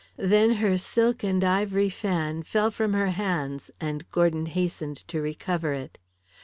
Then her silk and ivory fan fell from her hands, and Gordon hastened to recover it.